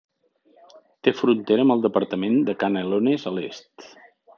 Té frontera amb el departament de Canelones a l'est.